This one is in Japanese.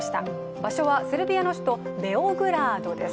場所はセルビアの首都ベオグラードです。